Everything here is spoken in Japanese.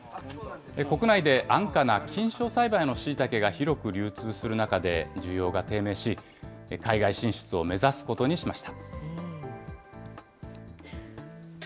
国内で安価な菌床栽培のしいたけが広く流通する中で需要が低迷し、海外進出を目指すことにしました。